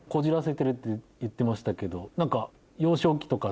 って言ってましたけど。